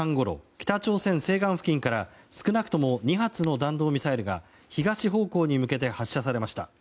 北朝鮮西岸付近から少なくとも２発の弾道ミサイルが東方向に向けて発射されました。